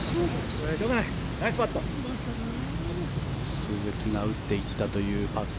鈴木が打っていったというパット。